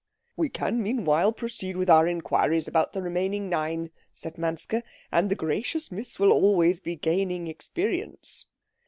"We can meanwhile proceed with our inquiries about the remaining nine," said Manske, "and the gracious Miss will be always gaining experience."